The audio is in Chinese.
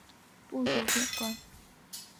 不久贬官。